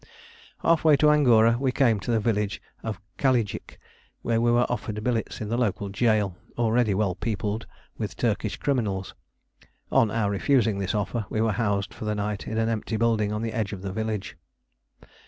Half way to Angora we came to the village of Kalijik, where we were offered billets in the local jail, already well peopled with Turkish criminals. On our refusing this offer, we were housed for the night in an empty building on the edge of the village.